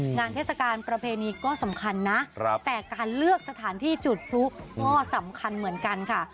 เทศกาลประเพณีก็สำคัญนะแต่การเลือกสถานที่จุดพลุก็สำคัญเหมือนกันค่ะ